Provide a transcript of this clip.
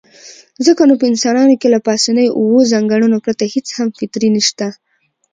ځکه نو په انسانانو کې له پاسنيو اووو ځانګړنو پرته هېڅ هم فطري نشته.